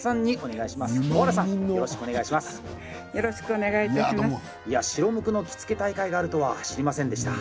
いや、白無垢の着付大会があるとは知りませんでした。